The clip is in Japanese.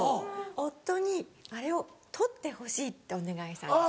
夫にあれを取ってほしいってお願いしたんですよ。